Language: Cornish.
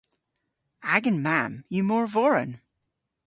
Agan mamm yw morvoren.